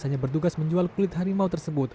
hanya bertugas menjual kulit harimau tersebut